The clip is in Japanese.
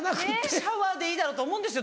シャワーでいいだろと思うんですよ